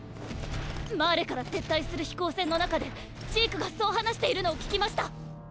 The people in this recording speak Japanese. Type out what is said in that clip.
マーレから撤退する飛行船の中でジークがそう話しているのを聞きました。